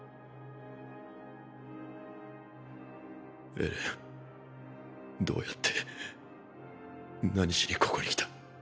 エレンどうやって何しにここに来た？